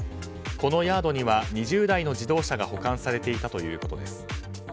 このヤードには２０台の自動車が保管されていたということです。